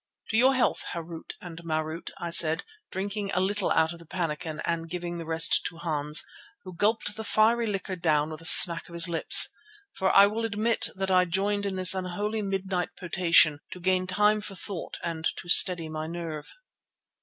"To your health, Harût and Marût," I said, drinking a little out of the pannikin and giving the rest to Hans, who gulped the fiery liquor down with a smack of his lips. For I will admit that I joined in this unholy midnight potation to gain time for thought and to steady my nerve.